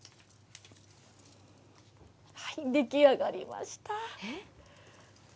出来上がりました。